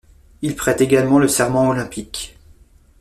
Il prête également le serment olympique.